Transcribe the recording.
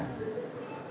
kalau di mana mana